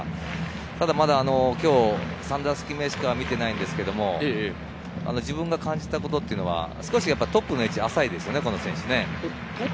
ただ今日、３打席目しか見ていないんですけど、自分が感じたことは少しトップの位置が浅いですね。